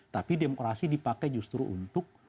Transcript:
tapi demokrasi dipakai justru untuk